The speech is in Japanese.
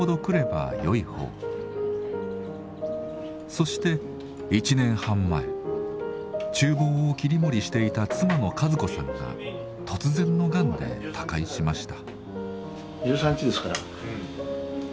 そして１年半前厨房を切り盛りしていた妻の和子さんが突然のがんで他界しました。